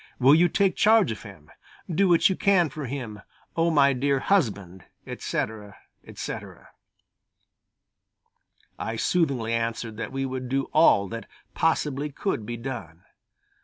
Will you take charge of him? Do what you can for him. Oh, my dear husband!" etc., etc. I soothingly answered that we would do all that possibly could be done.